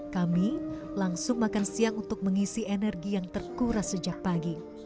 kami langsung makan siang untuk mengisi energi yang terkuras sejak pagi